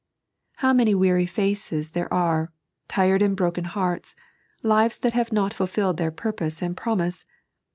How many weary faces there are, tired and broken hearts, lives that have not fulfilled their full purpose and promise